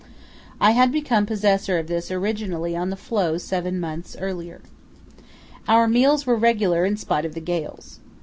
I had become possessor of this originally on the floe several months earlier. Our meals were regular in spite of the gales.